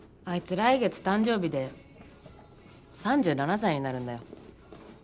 来月誕生日で３７歳になるんだよ。